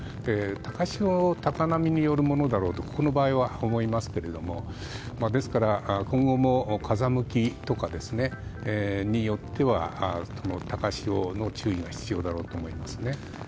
高潮、高波によるものだろうとここの場合は思いますけどですから今後も風向きとかによっては高潮の注意が必要だろうと思いますね。